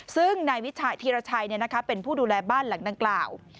ซึ่งนายธีรชัยเป็นผู้ดูแลบ้านหลังดังกล่าว